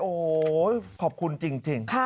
โอ้โหขอบคุณจริง